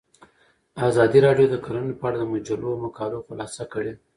ازادي راډیو د کرهنه په اړه د مجلو مقالو خلاصه کړې.